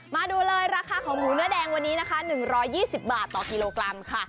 มาดูเลยราคาของหมูเนื้อแดงวันนี้นะคะ๑๒๐บาทต่อกิโลกรัมค่ะ